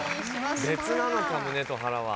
別なのか胸と腹は。